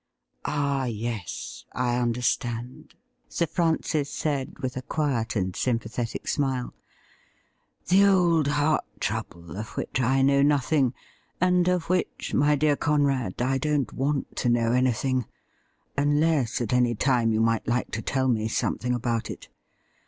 ' Ah, yes, I understand,' Sir Francis said, with a quiet and sympathetic smile ;' the old heart trouble, of which I know nothing, and of which, my dear Conrad, I don't want to know anything, unless at any time you might like to tell me something about it.